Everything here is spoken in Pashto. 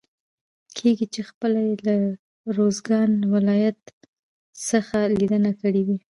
کېږي چې خپله يې له روزګان ولايت څخه ليدنه کړي وي.